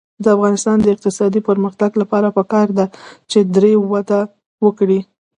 د افغانستان د اقتصادي پرمختګ لپاره پکار ده چې دري وده وکړي.